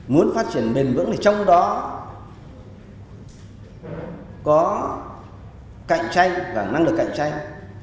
muốn phát triển bền vững thì trong đó có cạnh tranh và năng lực cạnh tranh